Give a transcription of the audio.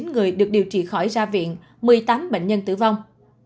tám tám trăm một mươi chín người được điều trị khỏi ra viện một mươi tám bệnh nhân tử vong